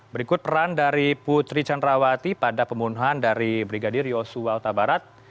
berikut peran dari putri candrawati pada pembunuhan dari brigadir yosua utabarat